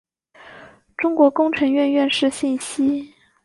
中国工程院院士信息